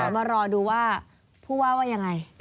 มารอดูว่าผู้ว่าว่ายังไง